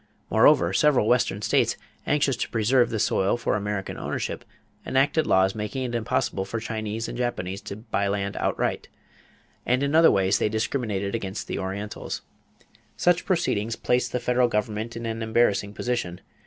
Moreover, several Western states, anxious to preserve the soil for American ownership, enacted laws making it impossible for Chinese and Japanese to buy land outright; and in other ways they discriminated against Orientals. Such proceedings placed the federal government in an embarrassing position.